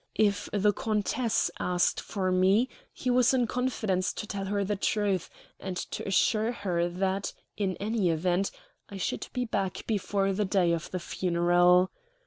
If the countess asked for me, he was in confidence to tell her the truth, and to assure her that, in any event, I should be back before the day of the funeral.